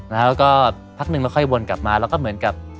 แล้วก็พักหนึ่งเราค่อยวนกลับมาแล้วก็เหมือนกับ